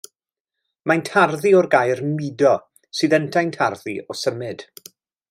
Mae'n tarddu o'r gair mudo sydd yntau'n tarddu o symud.